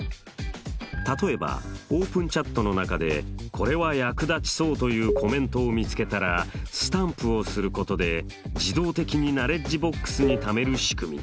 例えばオープンチャットの中で「これは役立ちそう！」というコメントを見つけたらスタンプをすることで自動的にナレッジボックスにためるしくみ。